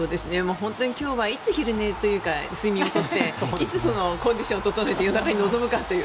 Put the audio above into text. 本当に今日はいつ昼寝というか睡眠をとっていつコンディションを整えて夜中に臨むかという。